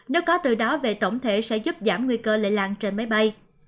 nếu có từ đó về tổng thể sẽ giúp giảm nguy cơ lây lan trên máy bay